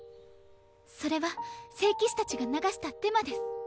それは聖騎士たちが流したデマです。